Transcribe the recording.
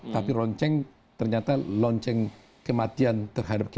tapi lonceng ternyata lonceng kematian terhadap kita